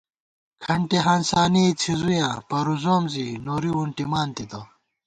کھنٹی ہانسانِئےڅِھزُویاں پروزوم زی نوری وُنٹِمان تِتہ